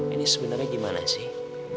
ini sebenarnya gimana sih